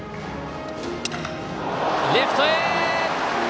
レフトへ！